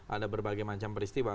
ada berbagai macam peristiwa